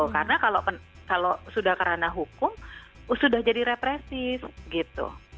karena kalau sudah kerana hukum sudah jadi represif gitu